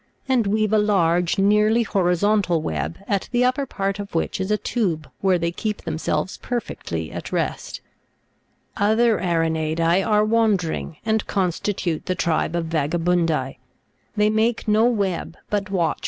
and weave a large, nearly horizontal web, at the upper part of which is a tube where they keep them selves perfectly at rest. 25. Other Aranei'dse are wandering, and constitute the tribe of Vagaburi da. They make no web, but watch for their prey ana 23.